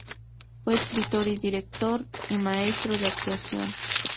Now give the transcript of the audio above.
Fue escritor, director y maestro de actuación.